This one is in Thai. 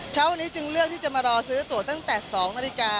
เช้าวันนี้จึงเลือกที่จะมารอซื้อตัวตั้งแต่๒นาฬิกา